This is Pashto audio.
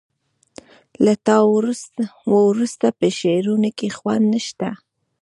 له تا وروسته په شعرونو کې خوند نه شته